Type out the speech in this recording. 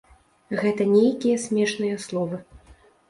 Гэта нейкія смешныя словы.